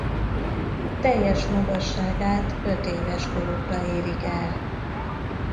Teljes magasságát ötéves korukra érik el.